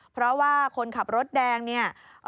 เพราะว่าคนขับรถแดงเนี่ย